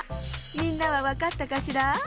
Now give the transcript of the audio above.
みんなはわかったかしら？